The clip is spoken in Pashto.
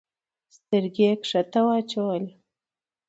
سترګي یې کښته واچولې !